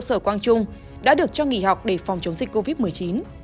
sở quang trung đã được cho nghỉ học để phòng chống dịch covid một mươi chín